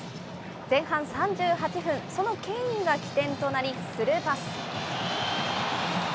前半３８分、そのケインが起点となり、スルーパス。